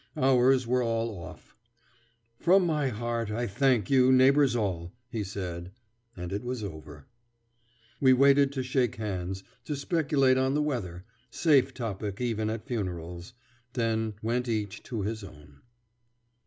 Ours were all off. "From my heart I thank you, neighbors all," he said, and it was over. We waited to shake hands, to speculate on the weather, safe topic even at funerals; then went each to his own.